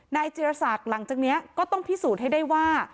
จิรศักดิ์หลังจากนี้ก็ต้องพิสูจน์ให้ได้ว่า